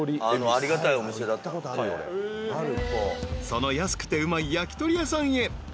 ［その安くてうまい焼き鳥屋さんへ］